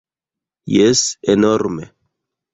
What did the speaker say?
Jes, enorme!